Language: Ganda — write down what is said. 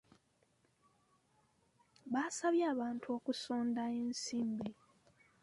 Baasabye abantu okusonda ensimbi.